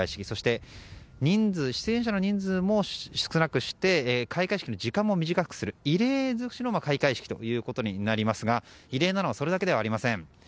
そして出演者の人数も少なくして開会式の時間も短くする異例尽くしの開会式ということになりますが異例なのはそれだけではありません。